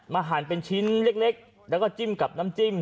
หั่นเป็นชิ้นเล็กแล้วก็จิ้มกับน้ำจิ้ม